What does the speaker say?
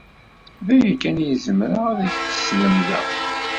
D aya kan ay zemreɣ ad ak-t-slemdeɣ.